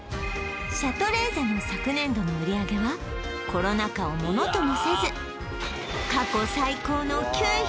シャトレーゼの昨年度の売上はコロナ禍をものともせずうわ